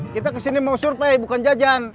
kita kesini mau survei bukan jajan